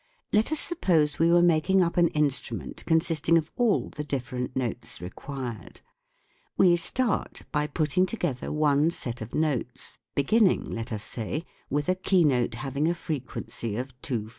Let us suppose we were making up an instrument con sisting of all the different notes required. We start by putting together one set of notes, beginning, let us say, with a keynote having a frequency of 256.